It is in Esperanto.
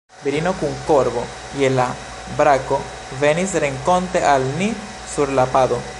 Virino kun korbo je la brako venis renkonte al ni sur la pado.